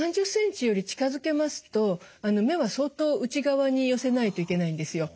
３０ｃｍより近づけますと目は相当内側に寄せないといけないんですよ。